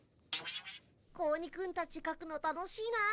子鬼くんたちかくの楽しいなあ。